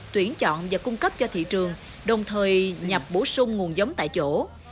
tuyển chọn và cung cấp cho thị trường đồng thời nhập bổ sung nguồn giống tại chỗ